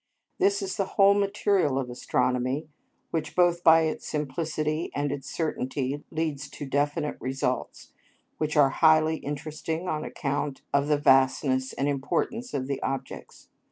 This is the whole material of astronomy, which both by its simplicity and its certainty leads to definite results, which are highly interesting on account of the vastness and importance of the objects.